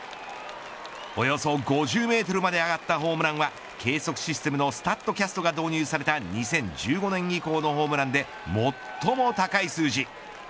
およそ５０メートルまで上がったホームランは計測システムのスタットキャストが導入された２０１５年以降のホームランで最も高い数字。